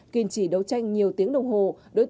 kiên trì đấu tranh nhiều tiếng đồng hồ